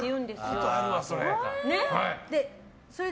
聞いたことあるわ、それ。